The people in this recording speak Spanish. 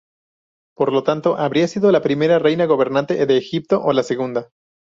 Por lo tanto, habría sido la primera reina gobernante de Egipto o la segunda.